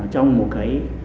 trong một cái